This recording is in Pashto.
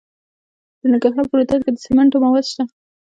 د ننګرهار په روداتو کې د سمنټو مواد شته.